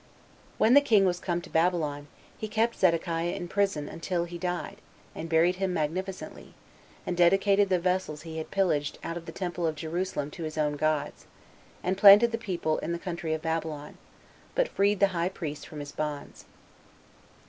7. When the king was come to Babylon, he kept Zedekiah in prison until he died, and buried him magnificently, and dedicated the vessels he had pillaged out of the temple of Jerusalem to his own gods, and planted the people in the country of Babylon, but freed the high priest from his bonds.